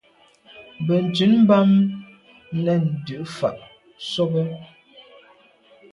Benntùn bam, nèn dù’ fà’ sobe.